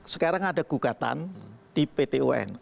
sekarang ada gugatan di pt un